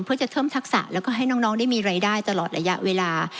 เพื่อจะเพิ่มทักษะแล้วก็ให้น้องได้มีรายได้ตลอดระยะเวลา